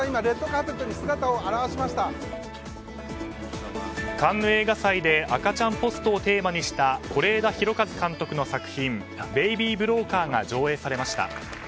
カンヌ映画祭で赤ちゃんポストをテーマにした是枝裕和監督の作品「ベイビー・ブローカー」が上映されました。